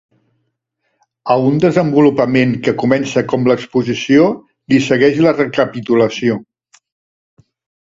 A un desenvolupament que comença com l'exposició li segueix la recapitulació.